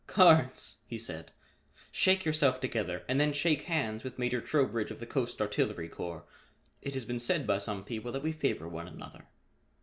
"Carnes," he said, "shake yourself together and then shake hands with Major Trowbridge of the Coast Artillery Corps. It has been said by some people that we favor one another."